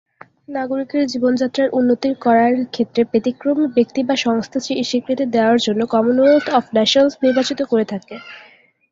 নাগরিকের জীবনযাত্রার উন্নতি করার ক্ষেত্রে ব্যতিক্রমী ব্যক্তি বা সংস্থা স্বীকৃতি দেওয়ার জন্য কমনওয়েলথ অফ নেশনস নির্বাচিত করে থাকে।